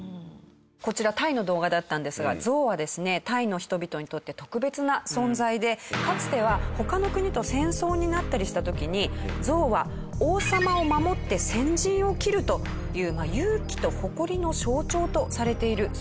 こちらタイの動画だったんですがゾウはですねタイの人々にとって特別な存在でかつては他の国と戦争になったりした時にゾウは王様を守って先陣を切るという勇気と誇りの象徴とされているそうなんです。